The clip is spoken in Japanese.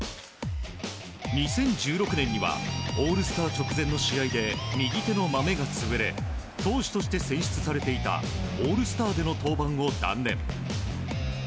２０１６年にはオールスター直前の試合で右手のマメが潰れ投手として選出されていたオールスターでの登板を断念。